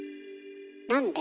なんで？